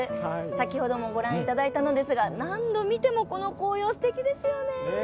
先ほどもご覧いただいたのですが何度見ても、この紅葉すてきですよね。